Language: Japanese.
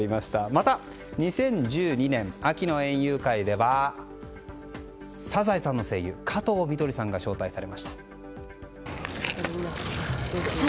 また、２０１２年秋の園遊会では「サザエさん」の声優加藤みどりさんが招待されました。